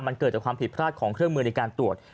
มันเกิดจากความผิดพลาดของเครื่องมือในการตรวจ